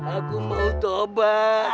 aku mau tobat